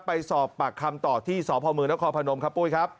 ไปสอบปากคำต่อที่สพมนครพนมครับปุ้ยครับ